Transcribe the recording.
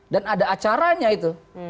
dan ada acaranya itu